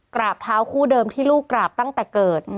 กราบเท้าคู่เดิมที่ลูกกราบตั้งแต่เกิด